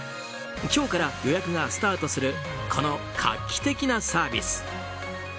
今日から予約がスタートするこの画期的なサービス。